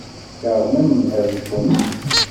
Tkeṛhemt anemhal-nkent.